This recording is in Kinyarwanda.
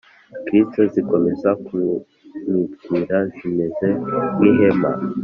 Kristo zikomeze kuntwikira zimeze nk ihema